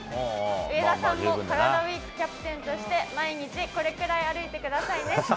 上田さんもカラダＷＥＥＫキャプテンとして、毎日、これくらい歩いてくださいね。